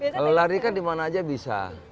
kalau lari kan dimana aja bisa